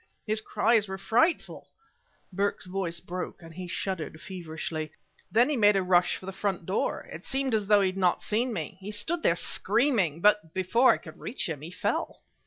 His cries were frightful." Burke's voice broke, and he shuddered feverishly. "Then he made a rush for the front door. It seemed as though he had not seen me. He stood there screaming; but, before I could reach him, he fell...."